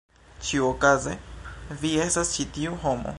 Ĉiuokaze vi estas ĉi tiu homo.